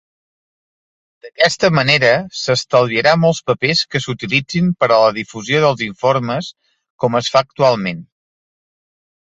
D'aquesta manera, s'estalviarà molts papers que s'utilitzin per a la difusió dels informes com es fa actualment.